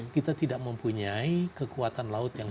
kita tidak mempunyai kekuatan laut yang